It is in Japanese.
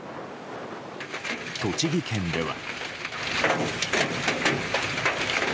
栃木県では。